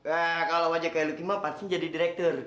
eh kalo wajah kayak lucky mah pasti jadi direktur